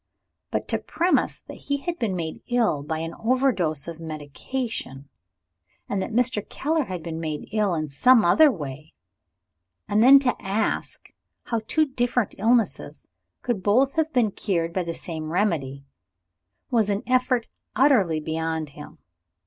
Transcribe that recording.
But to premise that he had been made ill by an overdose of medicine, and that Mr. Keller had been made ill in some other way, and then to ask, how two different illnesses could both have been cured by the same remedy was an effort utterly beyond him.